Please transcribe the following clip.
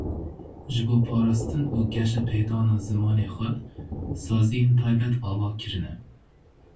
Ji bo parastin û geşepêdana zimanê xwe saziyên taybet ava kirine.